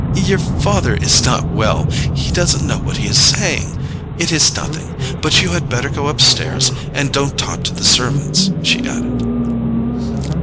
"Your father is not well—he doesn't know what he is saying. It is nothing—but you had better go upstairs; and don't talk to the servants," she added.